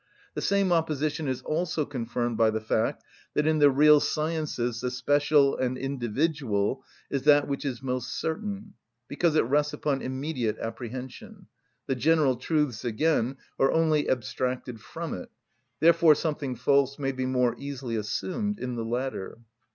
The same opposition is also confirmed by the fact that in the real sciences the special and individual is that which is most certain, because it rests upon immediate apprehension; the general truths, again, are only abstracted from it; therefore something false may be more easily assumed in the latter.